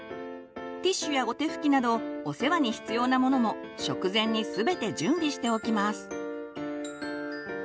ティッシュやおてふきなどお世話に必要なものも食前に全て準備しておきます。